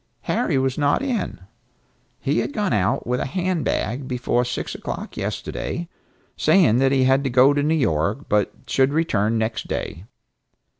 Harry was not in. He had gone out with a hand bag before six o'clock yesterday, saying that he had to go to New York, but should return next day.